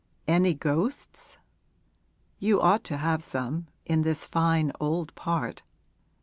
'Any ghosts?' 'You ought to have some in this fine old part.'